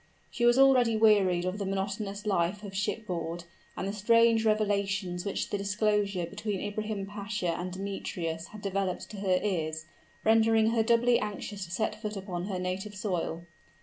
She was already wearied of the monotonous life of ship board; and the strange revelations which the discourse between Ibrahim Pasha and Demetrius had developed to her ears, rendered her doubly anxious to set foot upon her native soil.